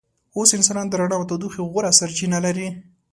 اوس انسانان د رڼا او تودوخې غوره سرچینه لري.